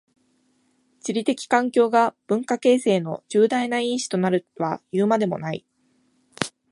地理的環境が文化形成の重大な因子となるはいうまでもない。